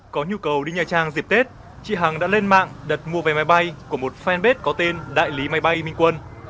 có nhu cầu đi nhà trang dịp tết chị hằng đã lên mạng đặt mua vé máy bay của một fanpage có tên đại lý máy bay minh quân